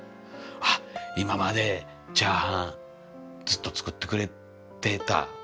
あっ今までチャーハンずっと作ってくれてた。